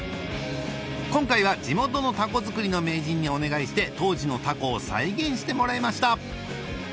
今回は地元の凧作りの名人にお願いして当時の凧を再現してもらいました